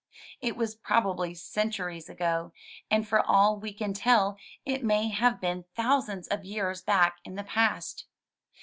It was probably centuries ago, and for all we can tell it may have been thousands of years back in the past.